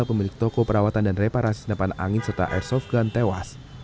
pemilik toko perawatan dan reparasi senapan angin serta airsoft gun tewas